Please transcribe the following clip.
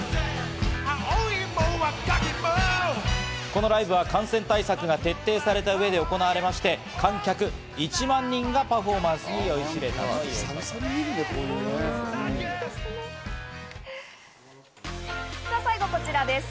このライブは感染対策が徹底された上で行われまして、観客１万人がパフォーマンスに酔いしれたんです。